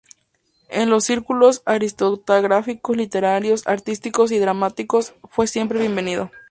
En los círculos aristocráticos, literarios, artísticos y dramáticos fue siempre bienvenido.